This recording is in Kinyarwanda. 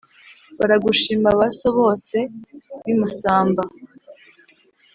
baragushima ba so bose b'i musamba